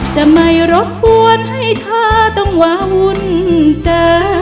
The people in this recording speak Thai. จะไม่รบกวนให้เธอต้องวาวุ่นเจอ